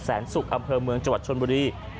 แสงสุขอำเภอเมืองจวัดชนบุรี